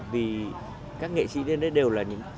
vì các nghệ sĩ đến đây đều là những